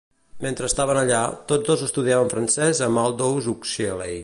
Mentre estaven allà, tots dos estudiaven francès amb Aldous Huxley.